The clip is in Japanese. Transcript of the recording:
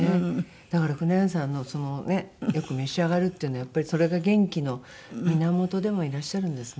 だから黒柳さんのそのよく召し上がるっていうのはやっぱりそれが元気の源でもいらっしゃるんですね。